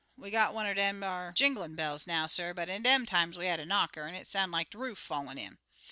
We got one er dem ar jinglin' bells now, suh, but in dem times we had a knocker, an' it soun' like de roof fallin' in.